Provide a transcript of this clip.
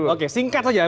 oke singkat saja